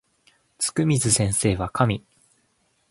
つくみず先生は神